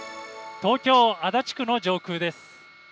東京・足立区の上空です。